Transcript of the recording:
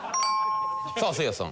さあせいやさん。